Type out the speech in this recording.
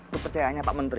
kepercayainya pak menteri